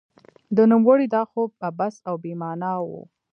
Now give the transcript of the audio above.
د نوموړي دا خوب عبث او بې مانا نه و.